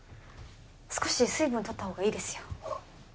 少し水分をとったほうがいいですよ